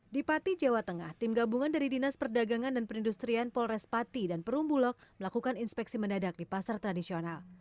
di pati jawa tengah tim gabungan dari dinas perdagangan dan perindustrian polres pati dan perumbulok melakukan inspeksi mendadak di pasar tradisional